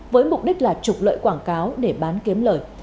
với mục đích là trục lợi quảng cáo để bán kiếm lời